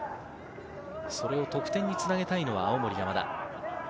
それを得点につなげたいのが青森山田。